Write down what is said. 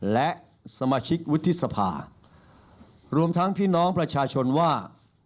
และสมาชิกวุฒิสภารวมทั้งพี่น้องประชาชนว่า